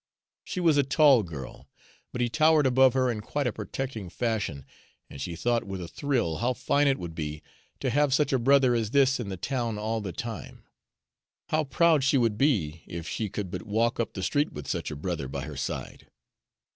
She was a tall girl, but he towered above her in quite a protecting fashion; and she thought with a thrill how fine it would be to have such a brother as this in the town all the time. How proud she would be, if she could but walk up the street with such a brother by her side!